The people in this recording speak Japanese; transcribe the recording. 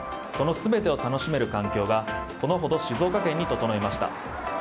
その全てを楽しめる環境がこのほど、静岡県に整いました。